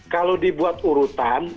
kalau dibuat urutan